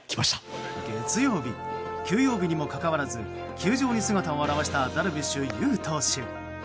月曜日、休養日にもかかわらず球場に姿を現したダルビッシュ有投手。